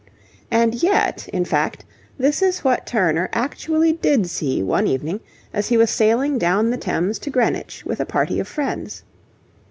And yet, in fact, this is what Turner actually did see one evening as he was sailing down the Thames to Greenwich with a party of friends.